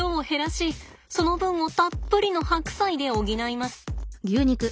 その分をたっぷりの白菜で補います。